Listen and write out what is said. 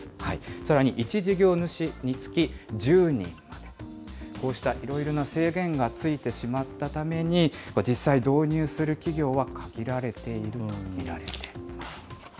さらに、１事業主につき、１０人まで、こうしたいろいろな制限がついてしまったために、実際、導入する企業は限られていると見られています。